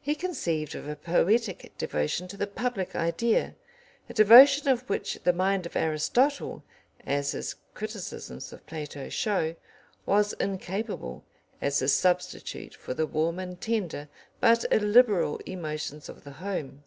He conceived of a poetic devotion to the public idea, a devotion of which the mind of Aristotle, as his criticisms of Plato show, was incapable, as a substitute for the warm and tender but illiberal emotions of the home.